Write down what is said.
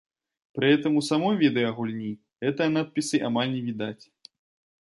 Пры гэтым у самой відэагульні гэтыя надпісы амаль не відаць.